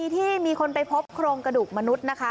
ที่มีคนไปพบโครงกระดูกมนุษย์นะคะ